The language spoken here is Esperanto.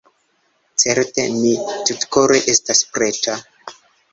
Certe mi tutkore estas preta.